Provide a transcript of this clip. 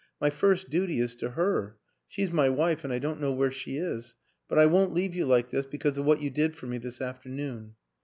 My first duty is to her she's my wife and I don't know where she is. But I won't leave you like this because of what you did for me this after noon."